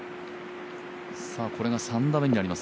これが３打目になります。